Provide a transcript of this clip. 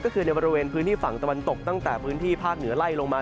ก็คือในบริเวณพื้นที่ฝั่งตะวันตกตั้งแต่พื้นที่ภาคเหนือไล่ลงมา